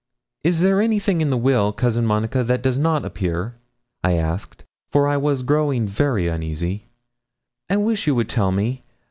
'Is there anything in the will, Cousin Monica, that does not appear?' I asked, for I was growing very uneasy. 'I wish you would tell me.